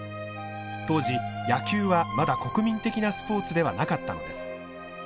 当時野球はまだ国民的なスポーツではなかったのです。